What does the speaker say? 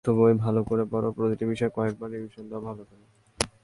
পাঠ্যবই ভালো করে পড়ো, প্রতিটি বিষয় কয়েকবার রিভিশন দাও ভালো করে।